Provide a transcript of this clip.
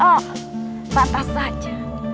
oh patah saja